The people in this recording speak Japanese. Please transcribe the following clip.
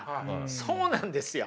そうなんですよ。